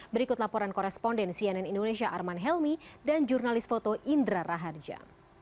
berikut laporan koresponden cnn indonesia arman helmi dan jurnalis foto indra raharja